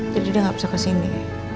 jadi dia gak bisa ke sini